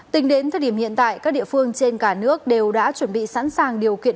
tính đến thời điểm hiện tại các địa phương trên cả nước đều đã chuẩn bị sẵn sàng điều kiện